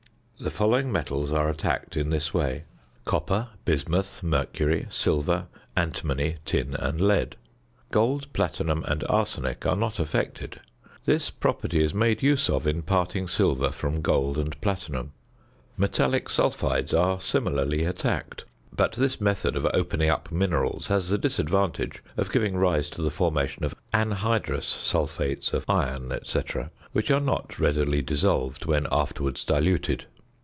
The following metals are attacked in this way: copper, bismuth, mercury, silver, antimony, tin, and lead. Gold, platinum, and arsenic are not affected. This property is made use of in parting silver from gold and platinum. Metallic sulphides are similarly attacked; but this method of opening up minerals has the disadvantage of giving rise to the formation of anhydrous sulphates of iron, &c., which are not readily dissolved when afterwards diluted.